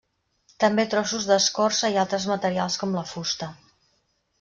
També trossos d'escorça i altres materials com la fusta.